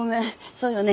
そうよね。